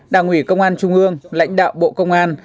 đảng ủy công an trung ương lãnh đạo bộ công an